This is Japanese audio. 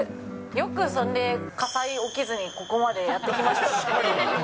よくそれで、火災起きずにここまでやってきましたね。